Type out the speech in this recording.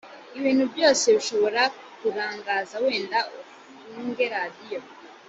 ibintu byose bishobora kukurangaza wenda ufunge radiyo